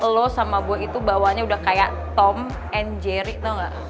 lo sama buah itu bawanya udah kayak tom and jerry tau gak